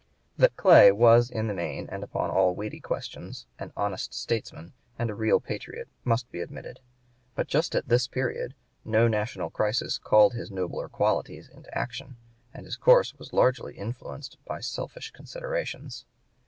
That Clay was in the main and upon all weighty questions an honest statesman and a real patriot must be admitted, but just at this period no national crisis called his nobler qualities into action, and his course was largely influenced by selfish considerations.